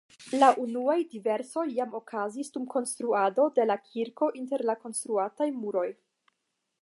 La unuaj diservoj jam okazis dum konstruado de la kirko inter la konstruataj muroj.